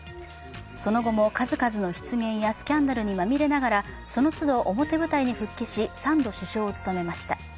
その後も数々の失言やスキャンダルにまみれながら、その都度、表舞台に復帰し、３度、首相を務めました。